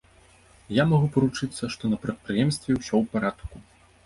Я магу паручыцца, што на прадпрыемстве ўсё ў парадку.